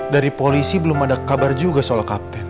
dari polisi belum ada kabar juga soal kapten